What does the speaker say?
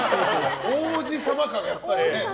王子様感がやっぱりね。